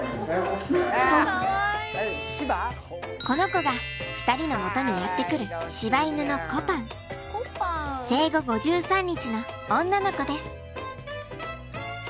この子が２人のもとにやって来る生後５３日の女の子です。